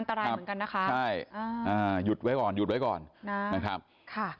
นอกจากเสี่ยงที่เขาหลุดไป